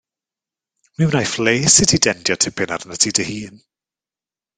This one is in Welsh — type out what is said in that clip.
Mi wnaiff les i ti dendio tipyn arnat ti dy hun.